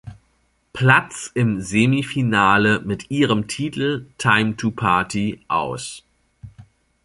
Platz im Semifinale mit ihrem Titel "Time to Party" aus.